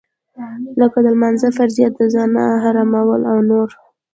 لکه د لمانځه فرضيت د زنا حراموالی او نور.